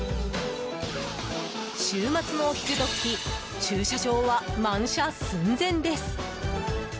週末のお昼時駐車場は満車寸前です。